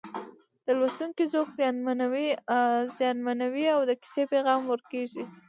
د لوستونکي ذوق زیانمنوي او د کیسې پیغام ورک کېږي